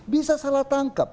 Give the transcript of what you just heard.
bisa salah tangkap